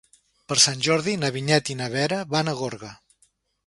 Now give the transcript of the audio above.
Per Sant Jordi na Vinyet i na Vera van a Gorga.